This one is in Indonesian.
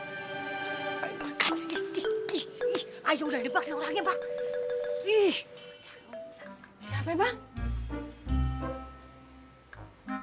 ayah udah debak dengan orangnya bang